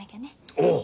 おう